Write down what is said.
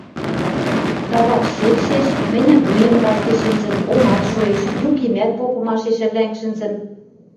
Табак шӹкшеш мӹньӹн вуем карштен шӹнзӹн, омат шоэш, юкемӓт попымашеш ӹрданг шӹнзӹн.